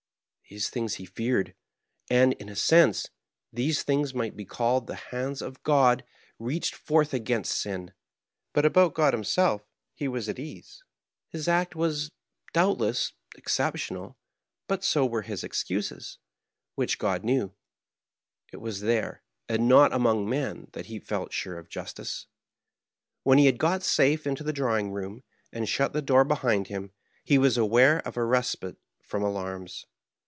These things he feared; and, in a sense, these things might be called the hands of God reached forth against sin. But about God himself he was at ease; his act was, doubtless, exceptional, but so were his excuses, which God knew; it was there, and not among men, that he felt sure of justice. "When he had got safe into the drawing room, and shut the door behind him, he was aware of a respite from alarms.